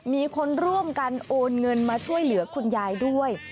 มีคนร่วมกันโอนเงินมาช่วยเหลือคุณยายด้วย